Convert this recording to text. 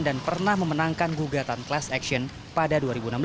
dan pernah memenangkan gugatan class action pada dua ribu enam belas